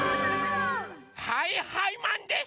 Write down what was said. はいはいマンです！